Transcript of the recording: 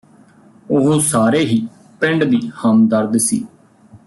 ਉਹ ਸਾਰੇ ਹੀ ਪਿੰਡ ਦੀ ਹਮਦਰਦ ਸੀ